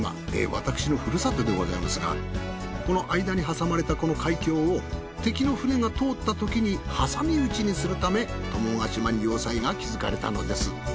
私のふるさとでございますがこの間に挟まれたこの海峡を敵の船が通ったときに挟み撃ちにするため友ヶ島に要塞が築かれたのです。